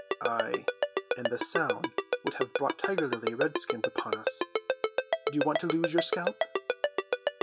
"Ay, and the sound would have brought Tiger Lily's redskins upon us. Do you want to lose your scalp?"